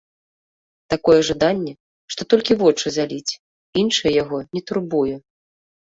Такое жаданне, што толькі вочы заліць, іншае яго не турбуе.